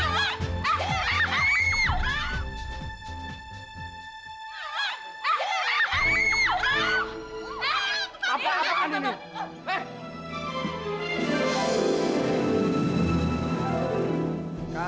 dengan barang dapatnya